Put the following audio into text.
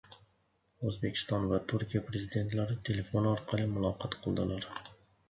O‘zbekiston va Turkiya Prezidentlari telefon orqali muloqot qildilar